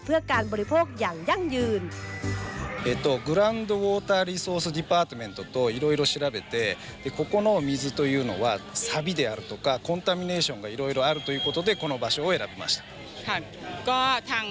เพื่อการบริโภคอย่างยั่งยืน